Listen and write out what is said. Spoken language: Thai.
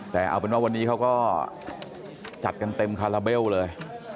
แต่เอาเป็นว่าวันนี้เขาก็จัดกันเต็มคาราเบลเลย